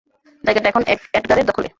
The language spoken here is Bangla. জায়গাটা এখন এডগারের দখলে।